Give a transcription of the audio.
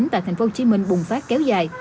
tại tp hcm bùng phát kéo dài